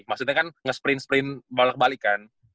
maksudnya kan nge sprint sprint bolak balik kan